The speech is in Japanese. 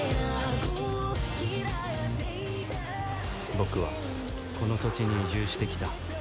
僕はこの土地に移住してきた